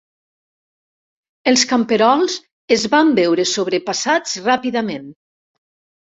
Els camperols es van veure sobrepassats ràpidament.